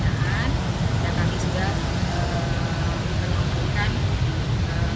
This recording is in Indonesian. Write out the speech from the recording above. dan kami juga memperlukan kepada rumah sakit untuk melakukan kebenaran